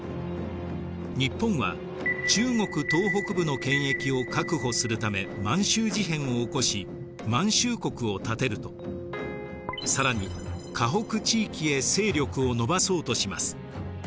日本は中国東北部の権益を確保するため満州事変を起こし満州国を建てると更に華北地域へ勢力を伸ばそうとします。